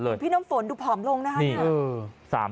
หลวงพี่น้ำฝนดูผอมลงนะครับ